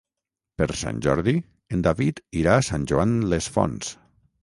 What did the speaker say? Per Sant Jordi en David irà a Sant Joan les Fonts.